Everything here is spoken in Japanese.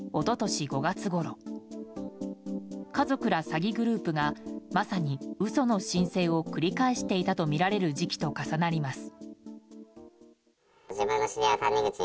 詐欺グループがまさに嘘の申請を繰り返していたとみられる時期と重なります。